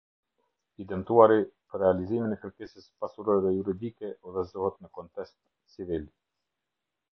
I dëmtuari, për realizimin e kërkesës pasurore juridike udhëzohet në kontest civil.